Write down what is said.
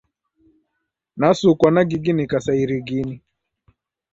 Nasukwa, nagiginika sa irigini.